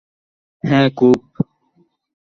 হ্যাঁ, খুব।